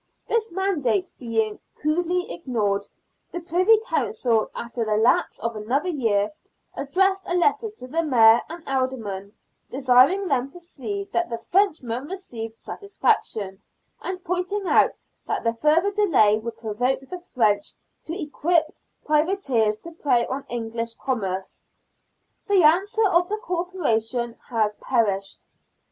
This mandate being coolly ignored, the Privy Council, after the lapse of another year, addressed a letter to the Mayor and Aldermen, desiring them to see that the Frenchman received satisfaction, and pointing out that further delay would provoke the French to equip privateers to prey on English commerce. The answer of the Corporation has perished.